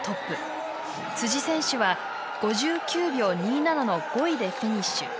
選手は５９秒２７の５位でフィニッシュ。